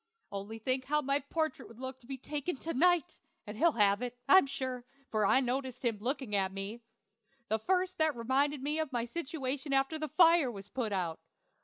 Only think how my portrait would look taken to night! and he'll have it, I'm sure, for I noticed him looking at me the first that reminded me of my situation after the fire was put out.